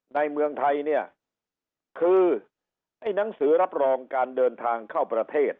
ในเมืองไทยเนี่ยคือไอ้หนังสือรับรองการเดินทางเข้าประเทศ